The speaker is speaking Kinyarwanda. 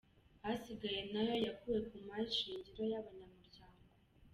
Asigaye na yo yakuwe ku mari shingiro y’aba banyamuryango.